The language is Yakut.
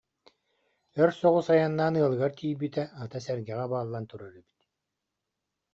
Өр соҕус айаннаан ыалыгар тиийбитэ, ата сэргэҕэ бааллан турар эбит